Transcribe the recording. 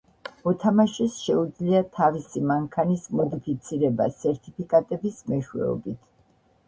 მოთამაშეს შეუძლია თავისი მანქანის მოდიფიცირება სერტიფიკატების მეშვეობით.